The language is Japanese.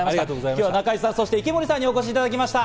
今日は中井さん、池森さんにお越しいただきました。